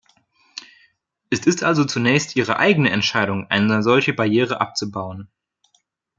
Es ist also zunächst ihre eigene Entscheidung, eine solche Barriere abzubauen.